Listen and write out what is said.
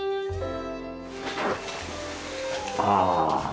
ああ。